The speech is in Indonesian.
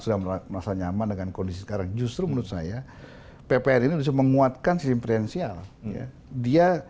sudah merasa nyaman dengan kondisi sekarang justru menurut saya ppr ini menguatkan simpresial dia